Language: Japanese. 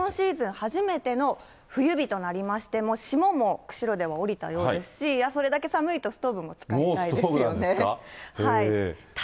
初めての冬日となりまして、もう霜も釧路では降りたようですし、それだけ寒いとストーブも使もうストーブなんですか。